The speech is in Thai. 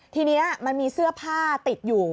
ทีนี้มันมีเสื้อผ้าติดอยู่